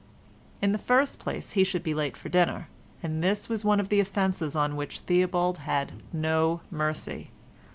In the first place he should be late for dinner, and this was one of the offences on which Theobald had no mercy.